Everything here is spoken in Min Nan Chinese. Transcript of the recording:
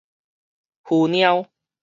敷貓